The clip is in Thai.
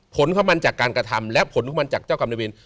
ผลของมันจากการกระทำและผลของมันจากเจ้ากรรมในเวร